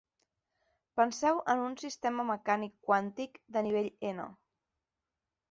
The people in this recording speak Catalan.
Penseu en un sistema mecànic quàntic de nivell n.